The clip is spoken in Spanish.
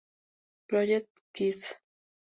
Project Kids.